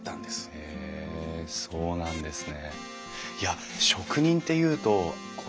へえそうなんですね。